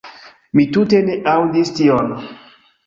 Mi tute ne aŭdis tion."